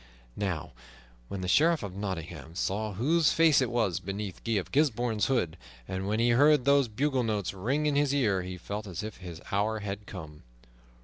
Now when the Sheriff of Nottingham saw whose face it was beneath Guy of Gisbourne's hood, and when he heard those bugle notes ring in his ear, he felt as if his hour had come.